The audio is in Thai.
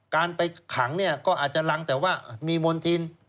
การไปขังก็อาจจะหลังแต่ว่ามีมณฑิน